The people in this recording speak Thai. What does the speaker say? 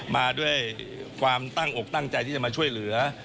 มาด้วยความตั้งอกตั้งใจที่จะมาช่วยเหลือ